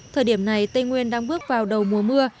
thời điểm này tây nguyên đang bước vào đầu mùa mưa